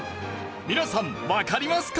皆さんわかりますか？